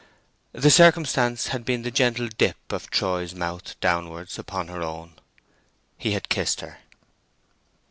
The circumstance had been the gentle dip of Troy's mouth downwards upon her own. He had kissed her.